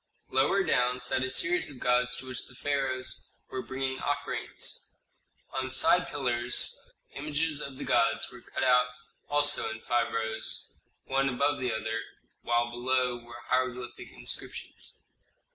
Lower down sat a series of gods to which the pharaohs were bringing offerings. On side pillars images of the gods were cut out also in five rows, one above the other, while below were hieroglyphic inscriptions.